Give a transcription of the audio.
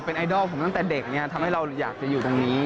เป็นไอดอลผมตั้งแต่เด็กทำให้เราอยากจะอยู่ตรงนี้